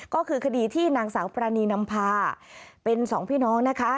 ก็คือคดีที่นางสาวปรานีนำพาเป็นสองพี่น้องนะคะ